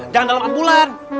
jangan dalam ambulan